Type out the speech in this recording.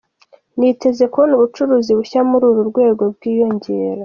Niteze kubona ubucuruzi bushya muri uru rwego bwiyongera.